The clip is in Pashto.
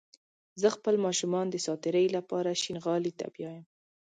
زه خپل ماشومان د ساعتيرى لپاره شينغالي ته بيايم